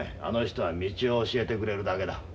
あの人は道を教えてくれるだけだ。